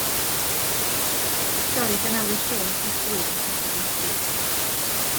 Stori gan Alys Jones yw Straeon Cornel y Stryd.